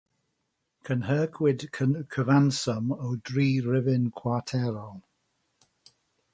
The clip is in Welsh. Cynhyrchwyd cyfanswm o dri rhifyn chwarterol.